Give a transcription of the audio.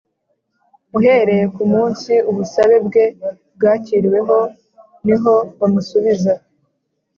uhereye ku munsi ubusabe bwe bwakiriweho niho bamusubiza